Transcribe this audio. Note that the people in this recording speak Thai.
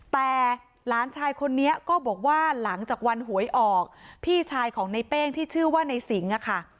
แต่หลานชายคนนี้ก็บอกว่าหลังจากวันหวยออกพี่ชายของในเป้งที่ชื่อว่าในสิงอะค่ะ